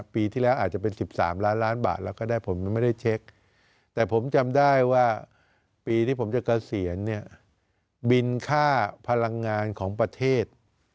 ปีที่แล้วอาจจะเป็น๑๓ล้านล้านบาทแล้วก็ได้ผมยังไม่ได้เช็คแต่ผมจำได้ว่าปีที่ผมจะเกษียณเนี่ยบินค่าพลังงานของประเทศ